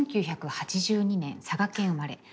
１９８２年佐賀県生まれ。